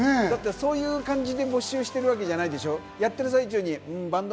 そういう感じで募集してるわけじゃないでしょ？